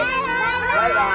バイバイ！